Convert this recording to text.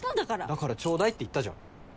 だからちょうだいって言ったじゃん。